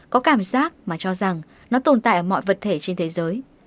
có cảm giác mà cho rằng nó tồn tại ở mọi vật thể trên thế giới